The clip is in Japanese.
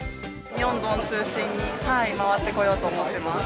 ミョンドン中心に回ってこようと思ってます。